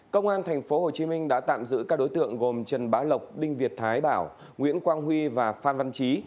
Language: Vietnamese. công an tp hcm đã tạm giữ các đối tượng gồm trần bá lộc đinh việt thái bảo nguyễn quang huy và phan văn trí